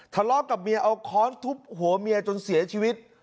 ทะเลาะกับเมียเอาค้อนทุบหัวเมียจนเสียชีวิต